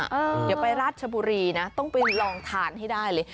เดี๋ยวไปราชบุรีนะต้องไปลองทานให้ได้เลย